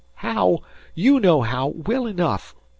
"How? You know how, well enough.